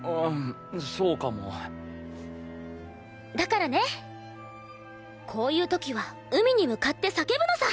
だからねこういう時は海に向かって叫ぶのさ！